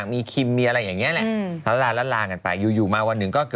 ไม่มีแล้ว